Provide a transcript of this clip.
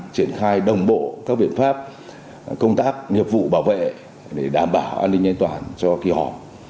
triển khai đồng bộ các biện pháp công tác nghiệp vụ bảo vệ để đảm bảo an ninh an toàn cho kỳ họp